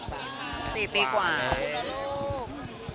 ปีกว่าลูก